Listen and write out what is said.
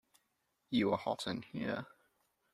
You are hot in here!